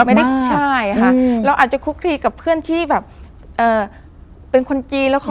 ไม่ได้คุกทีมาก